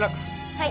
はい。